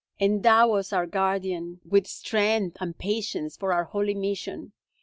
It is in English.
Endow us, our Guardian, with strength and patience for our holy mission.